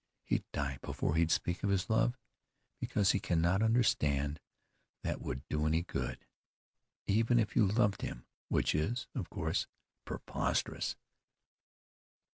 He'd die before he'd speak of his love, because he cannot understand that would do any good, even if you loved him, which is, of course, preposterous."